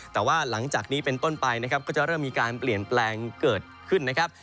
แต่ว่าหลังจากนี้เป็นต้นไปนะครับก็จะเริ่มมีการเปลี่ยนแปลงเกิดขึ้นนะครับ